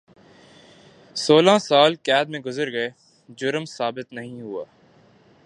سولہ سال قید میں گزر گئے جرم ثابت نہیں ہوا